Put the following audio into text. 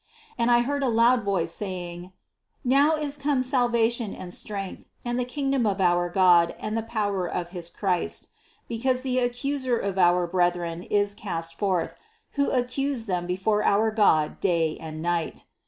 10. And I heard a loud voice saying: Now is come salvation and strength, and the kingdom of our God and the power of his Christ; because the accuser of our brethren is cast forth, who accused them before our God day and night.